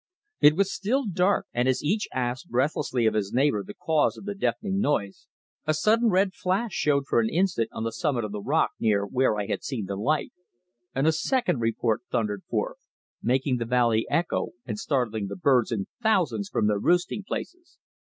It was still dark, and as each asked breathlessly of his neighbour the cause of the deafening noise a sudden red flash showed for an instant on the summit of the rock near where I had seen the light, and a second report thundered forth, making the valley echo and startling the birds in thousands from their roosting places.